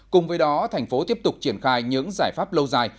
cùng với đó thành phố tiếp tục triển khai những giải pháp lâu dài